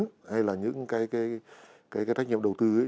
hay là những cái trách nhiệm đầu tư ấy